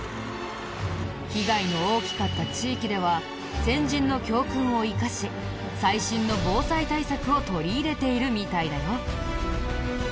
被害の大きかった地域では先人の教訓を生かし最新の防災対策を取り入れているみたいだよ。